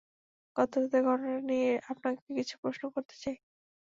গত রাতের ঘটনাটা নিয়ে আপনাকে কিছু প্রশ্ন করতে চাই।